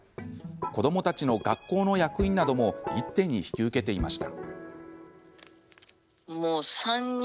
子どもたちの学校の役員なども一手に引き受けていました。